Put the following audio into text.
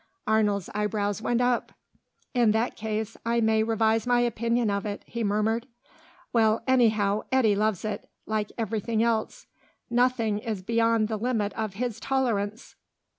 Arnold's eyebrows went up. "In that case I may revise my opinion of it," he murmured. "Well, anyhow Eddy loves it, like everything else. Nothing is beyond the limit of his tolerance."